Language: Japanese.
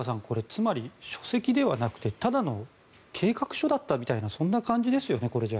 つまり書籍ではなくてただの計画書だったみたいなそんな感じですよね。